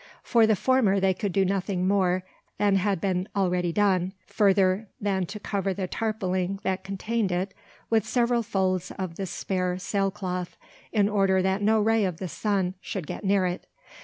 For the former they could do nothing more than had been already done, further than to cover the tarpauling that contained it with several folds of the spare sail cloth, in order that no ray of the sun should get near it.